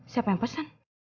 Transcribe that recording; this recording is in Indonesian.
siapa yang pesan